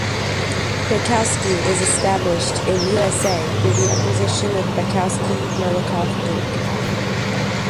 Baikowski is established in USA through the acquisition of Baikowski Malakoff Inc.